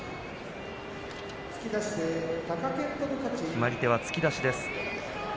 決まり手は突き出しです。